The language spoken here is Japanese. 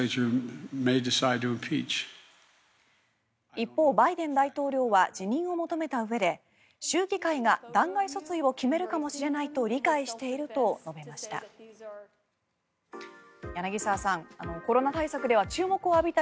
一方、バイデン大統領は辞任を求めたうえで州議会が弾劾訴追を決めるかもしれないと理解していると述べました。